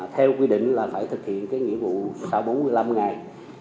theo quy định là phải thực hiện cái nghĩa vụ sau bốn mươi năm ngày